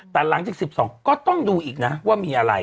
แต่หลังจาก๑๒ก็ต้องดูอีกนะว่ามีอะไร